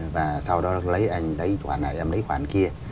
và sau đó lấy anh lấy chỗ này em lấy khoản kia